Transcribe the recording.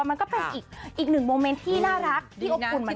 มันก็เป็นอีกหนึ่งโมเมนที่น่ารักที่อบขุนเหมือนกัน